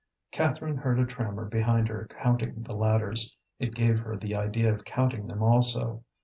Catherine heard a trammer behind her counting the ladders. It gave her the idea of counting them also.